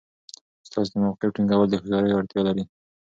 ستاسو د موقف ټینګول د هوښیارۍ اړتیا لري.